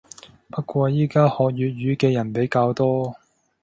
不過依家學粵語嘅人比較多